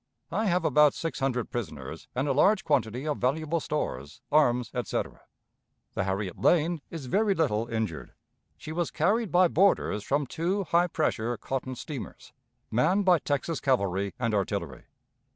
I have about six hundred prisoners and a large quantity of valuable stores, arms, etc. The Harriet Lane is very little injured. She was carried by boarders from two high pressure cotton steamers, manned by Texas cavalry and artillery.